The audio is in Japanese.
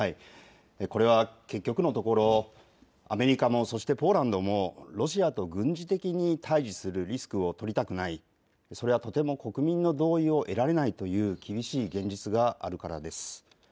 これは結局のところ、アメリカも、そしてポーランドもロシアと軍事的に対じするリスクを取りたくない、それはとても国民の同意を得られないという厳しい現実があるからです。